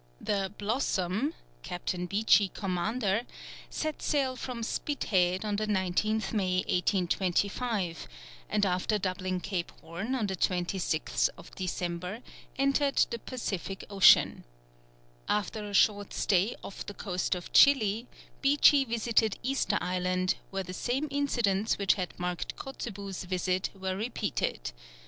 The Blossom, Captain Beechey commander, set sail from Spithead on the 19th May, 1825, and after doubling Cape Horn on the 26th December, entered the Pacific Ocean. After a short stay off the coast of Chili, Beechey visited Easter Island, where the same incidents which had marked Kotzebue's visit were repeated.